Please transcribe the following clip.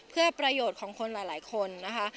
เพื่อประโยชน์ของคนหลายคนนะคะ